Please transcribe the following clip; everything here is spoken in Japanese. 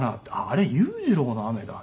あれ裕次郎の雨だ。